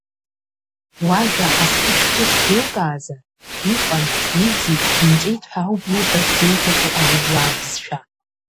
Уажәа ахы ахьцо сзеилкаазар, иҟам, иӡит, инҵәеит ҳәа ауп иуҳәарц иуҭаху аублаа бызшәа.